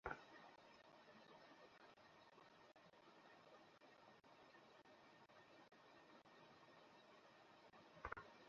কোনো কোনো সড়কে রাস্তার মাঝখানে কাজ চলায় গাড়ি চলাচলে সমস্যা হচ্ছে।